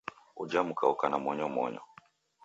Uja mka oka na monyomonyo